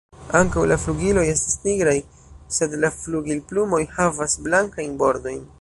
Ankaŭ la flugiloj estas nigraj, sed la flugilplumoj havas blankajn bordojn.